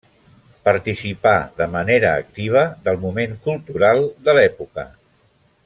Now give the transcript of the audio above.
Participà de manera activa del moment cultural de l'època.